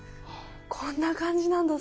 こんな感じなんだ。